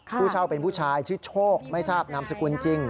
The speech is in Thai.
ผู้เช่าเป็นผู้ชายชื่อโชคไม่ทราบนามสกุลจริง